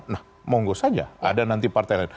nah monggo saja ada nanti partai lain